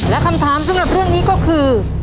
และคำถามสำหรับเรื่องนี้ก็คือ